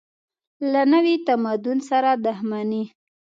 له نوي تمدن سره دښمني.